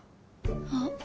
あっ。